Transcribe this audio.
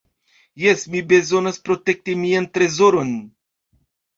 "Jes, mi bezonas protekti mian trezoron."